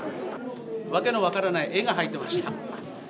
訳の分からない絵が入ってました。